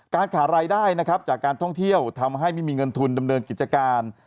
ขาดรายได้นะครับจากการท่องเที่ยวทำให้ไม่มีเงินทุนดำเนินกิจการ